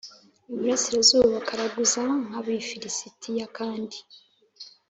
iburasirazuba bakaraguza nk Abafilisitiya kandi